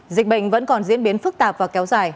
dịch bệnh vẫn còn diễn biến phức tạp và kéo dài